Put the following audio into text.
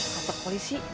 lapar ke polisi